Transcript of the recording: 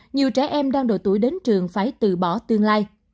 nhiều trẻ em đang độ tuổi đến trường phải từ bỏ tương lai